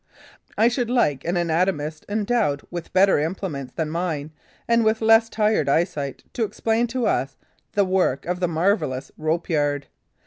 I should like an anatomist endowed with better implements than mine and with less tired eyesight to explain to us the work of the marvellous rope yard.